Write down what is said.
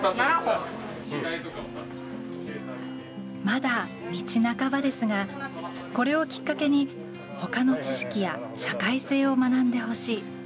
まだ道半ばですがこれをきっかけに他の知識や社会性を学んでほしい。